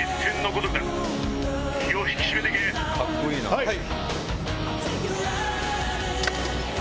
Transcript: はい。